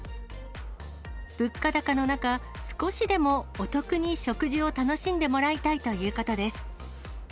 物価高の中、少しでもお得に食事を楽しんでもらいたいということです。